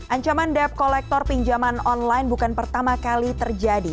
ancaman debt collector pinjaman online bukan pertama kali terjadi